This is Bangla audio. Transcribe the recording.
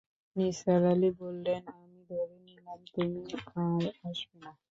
নিসার আলি বললেন, আমি ধরে নিয়েছিলাম তুমি আর আসবে না।